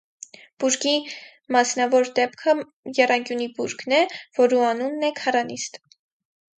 Բուրգի մասնաւոր դէպքը եռանկիունի բուրգն է, որու անունն է՝ քառանիստ։